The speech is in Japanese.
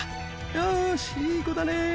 よーし、いい子だね。